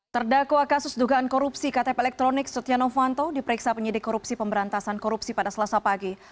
terdakwa kasus dugaan korupsi ktp elektronik setia novanto diperiksa penyidik korupsi pemberantasan korupsi pada selasa pagi